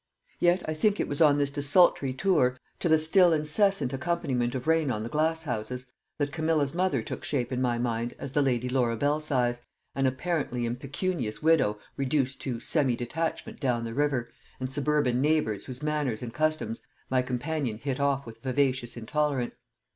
Yet I think it was on this desultory tour, to the still incessant accompaniment of rain on the glasshouses, that Camilla's mother took shape in my mind as the Lady Laura Belsize, an apparently impecunious widow reduced to "semi detachment down the river" and suburban neighbours whose manners and customs my companion hit off with vivacious intolerance.